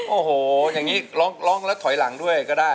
โอ้โหอย่างนี้ร้องแล้วถอยหลังด้วยก็ได้